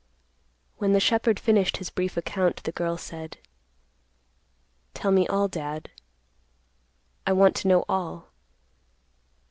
When the shepherd finished his brief account, the girl said, "Tell me all, Dad. I want to know all.